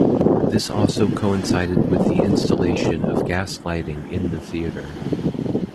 This also coincided with the installation of gas lighting in the theatre.